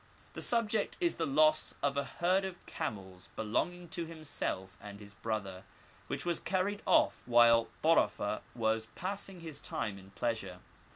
The subject is the loss of a herd of camels belonging to himself and his brother, which was carried off while Tarafeh was passing his time in pleasure.